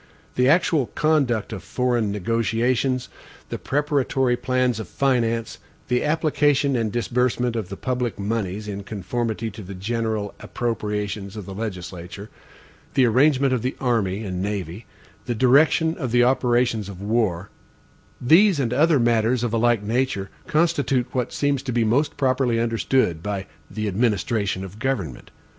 The actual conduct of foreign negotiations, the preparatory plans of finance, the application and disbursement of the public moneys in conformity to the general appropriations of the legislature, the arrangement of the army and navy, the directions of the operations of war these, and other matters of a like nature, constitute what seems to be most properly understood by the administration of government.